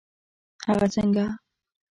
هغه څنګه؟